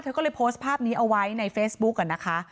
เธอก็เลยโพสต์ภาพนี้เอาไว้ในเฟซบุ๊กนะคะ